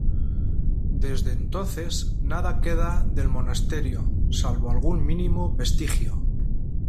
Desde entonces nada queda del monasterio, salvo algún mínimo vestigio.